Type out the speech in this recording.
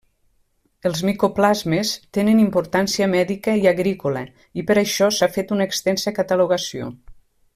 Els micoplasmes tenen importància mèdica i agrícola i per això s'ha fet una extensa catalogació.